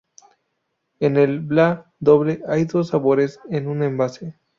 En el "vla" doble, hay dos sabores en un envase.